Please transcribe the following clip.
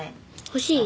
欲しい？